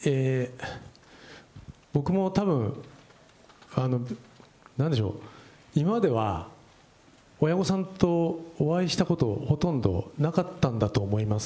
ジャニーズアイランドとしましては、僕もたぶん、なんでしょう、今までは、親御さんとお会いしたこと、ほとんどなかったんだと思います。